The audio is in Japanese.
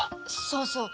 そうそう。